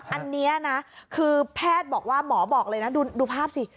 อันนี้นะคือแพทย์บอกว่าหมอบอกเลยนะดูภาพสิ